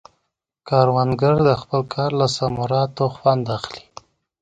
کروندګر د خپل کار له ثمراتو خوند اخلي